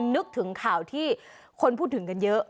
นึกถึงข่าวที่คนพูดถึงกันเยอะ